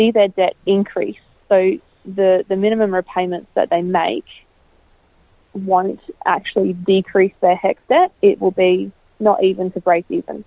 dan dapat mengurangi keseimbangannya